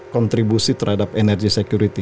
kontribusi terhadap energy security